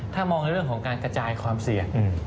ถ้ามองในเรื่องของการกระจายความเสี่ยง